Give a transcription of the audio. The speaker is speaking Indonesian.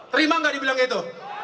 terima gak dibilang gitu